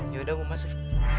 yaudah bu masuk